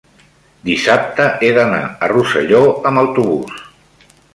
dissabte he d'anar a Rosselló amb autobús.